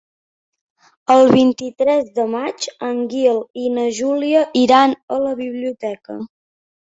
El vint-i-tres de maig en Gil i na Júlia iran a la biblioteca.